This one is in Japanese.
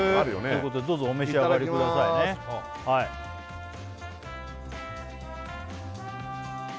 どうぞお召し上がりくださいねいただきます